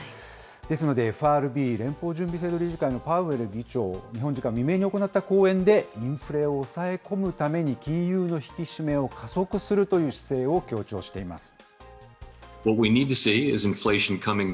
ですので、ＦＲＢ・連邦準備制度理事会のパウエル議長、日本時間未明に行われた講演で、インフレを抑え込むために金融の引き締めを加速するという姿勢を強調しています。